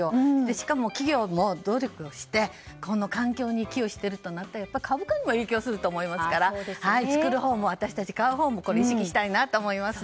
しかも企業を努力をして環境に寄与しているとなると株価にも影響すると思いますから我々買うほうも意識したいなと思います。